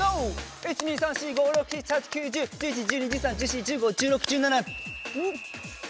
１２３４５６７８９１０１１１２１３１４１５１６１７。